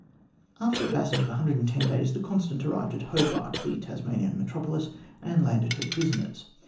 After a passage of 110 days, the Constant arrived atHobart, the Tasmanian metropolis, and landed her prisoners.